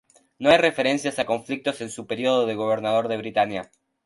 No hay referencias a conflictos en su período de gobernador de Britania.